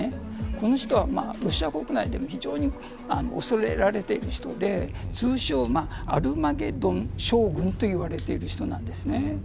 この人はロシア国内でも非常に恐れられている人で通称、アルマゲドン将軍と言われている人なんです。